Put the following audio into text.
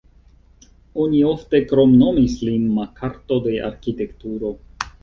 Oni ofte kromnomis lin "Makarto de arkitekturo".